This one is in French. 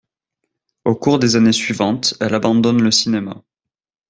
Au cours des années suivantes, elle abandonne le cinéma.